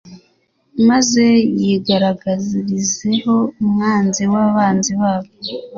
maze yigaragazeho umwanzi w'abanzi babo